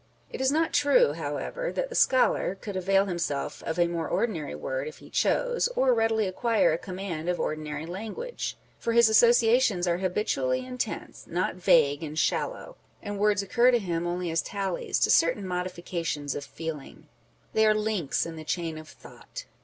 2 It is not true, however, that the scholar could avail him self of a more ordinary word if he chose, or readily acquire a command of ordinary language ; for his associa tions are habitually intense, not vague and shallow ; and words occur to him only as tallies to certain modifications of feeling. They are links in the chain of thought.